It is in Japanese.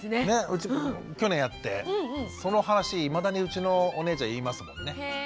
うち去年やってその話いまだにうちのお姉ちゃん言いますもんね。